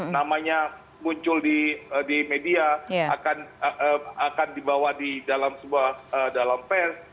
namanya muncul di media akan dibawa di dalam sebuah dalam pers